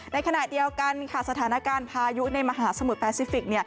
ในขณะเดียวกันค่ะสถานการณ์พายุในมหาสมุทรแปซิฟิก